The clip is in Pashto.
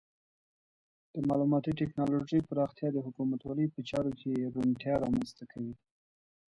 د معلوماتي ټکنالوژۍ پراختیا د حکومتولۍ په چارو کې روڼتیا رامنځته کوي.